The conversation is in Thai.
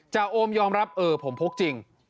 โอมยอมรับเออผมพกจริง